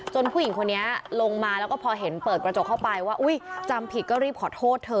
ผู้หญิงคนนี้ลงมาแล้วก็พอเห็นเปิดกระจกเข้าไปว่าอุ้ยจำผิดก็รีบขอโทษเธอ